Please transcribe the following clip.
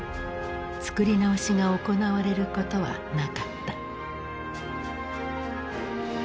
作り直しが行われることはなかった。